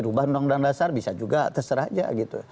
rubah undang undang dasar bisa juga terserah aja gitu